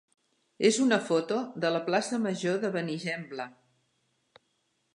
és una foto de la plaça major de Benigembla.